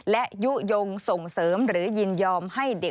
และยุยงส่งเสริม